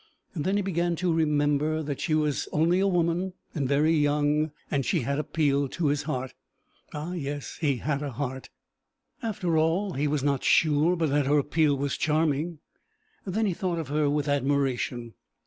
Then he began to remember that she was only a woman and very young, and she had appealed to his heart ah, yes, he had a heart. After all, he was not sure but that her appeal was charming. Then he thought of her with admiration.